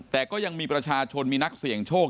แต่ก็ยังมีประชาชนมีนักเสี่ยงโชค